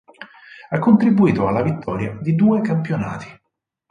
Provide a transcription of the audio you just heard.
Ha contribuito alla vittoria di due campionati.